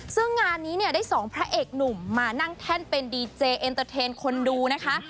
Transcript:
ซึ่งงานนี้เนี่ยได้สองพระเอกหนุ่มมานั่งแท่นเป็นดีเจเอ็นเตอร์เทนคนดูนะคะ